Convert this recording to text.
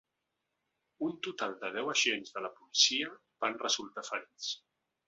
Un total de deu agents de la policia van resultar ferits.